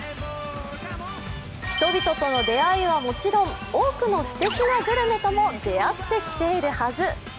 人々との出会いはもちろん多くのすてきなグルメとも出会ってきているはず。